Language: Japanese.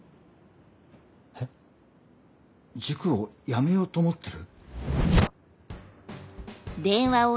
えっ塾をやめようと思ってる？